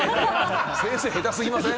先生、下手すぎません？